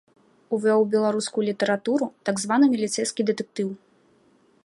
Увёў у беларускую літаратуру так званы міліцэйскі дэтэктыў.